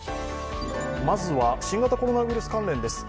まずは、新型コロナウイルス関連です。